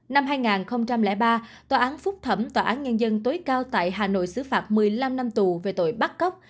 năm hai nghìn ba tòa án phúc thẩm tòa án nhân dân tối cao tại hà nội xử phạt một mươi năm năm tù về tội bắt cóc